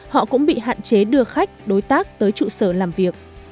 họ cũng bị hạn chế đưa khách đối tác tới trụ sở làm việc